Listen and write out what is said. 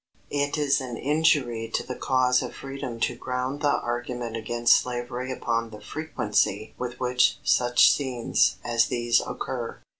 It is an injury to the cause of freedom to ground the argument against slavery upon the frequency with which such scenes as these occur.